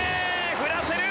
振らせる！